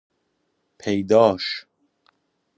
پیداش